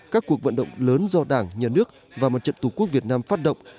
các cuộc vận động lớn do đảng nhà nước và mặt trận tổ quốc việt nam phát động